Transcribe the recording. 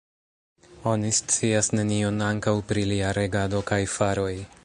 Oni scias nenion ankaŭ pri lia regado kaj faroj.